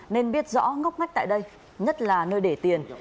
nên biết rõ ngóc ngách tại đây nhất là nơi để tiền